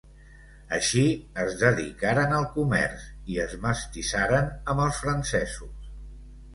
Així es dedicaren al comerç i es mestissaren amb els francesos.